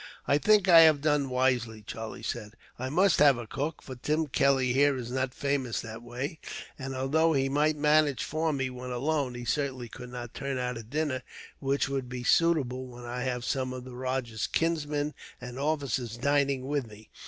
"I think I have done wisely," Charlie said. "I must have a cook, for Tim Kelly here is not famous that way; and although he might manage for me, when alone, he certainly could not turn out a dinner which would be suitable, when I have some of the rajah's kinsmen and officers dining with me.